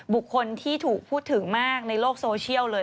บุคคลที่ถูกพูดถึงมากในโลกโซเชียลเลย